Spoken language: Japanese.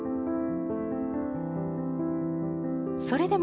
それでも、